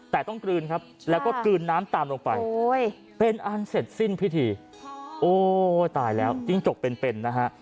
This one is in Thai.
แต่ต้องกลืนครับแล้วก็กลืนน้ำตามลงไปเป็นอันเสร็จสิ้นพิธีโอ้ยตายแล้วจิ้งจกเป็นเป็นนะฮะ